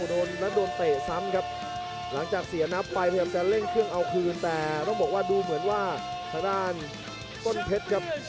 ต้องมาเร่งเครื่องในยก๒แล้วก็ยก๓ครับ